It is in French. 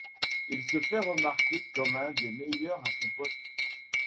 Il se fait remarquer comme un des meilleurs à son poste.